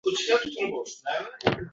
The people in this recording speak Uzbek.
aaaaaaa?